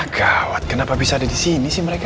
gawat kenapa bisa ada di sini sih mereka